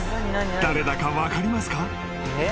［誰だか分かりますか？］